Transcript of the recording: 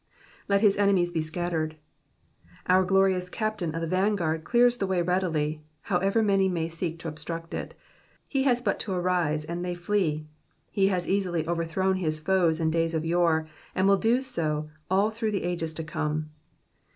*'Z«i his enemies he scattered.*^ Our glonous Captain of the vanguard clears the way readily, however many may seek to obstruct it ; he ban but to arise, and they flee, he has easily over thrown his foes in days of yore, and will do so all through the ages to come.